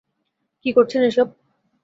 কী করছেন এসব?